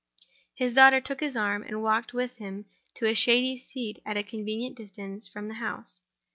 His daughter took his arm, and walked with him to a shady seat at a convenient distance from the house.